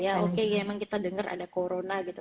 ya oke emang kita denger ada corona gitu